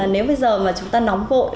nếu bây giờ mà chúng ta nóng vội